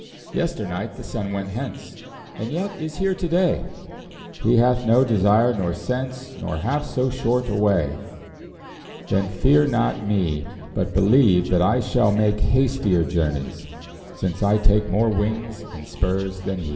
Yester night the sun went hence, And yet is here to day; He hath no desire nor sense, Nor half so short a way: Then fear not me, But believe that I shall make Hastier journeys, since I take More wings and spurs than he.